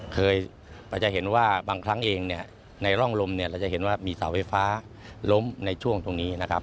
เคยเราจะเห็นว่าบางครั้งเองในร่องลมเราจะเห็นว่ามีเสาไฟฟ้าล้มในช่วงตรงนี้